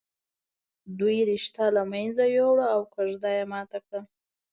دوی رشته له منځه ويوړه او کوژده یې ماته کړه